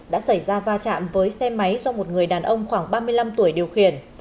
đã xảy ra va chạm với xe máy do một người đàn ông khoảng ba mươi năm tuổi điều khiển